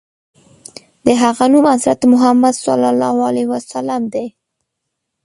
د هغه نوم حضرت محمد ص دی.